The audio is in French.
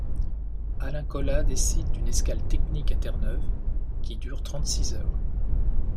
Alain Colas décide d'une escale technique à Terre-Neuve, qui dure trente-six heures.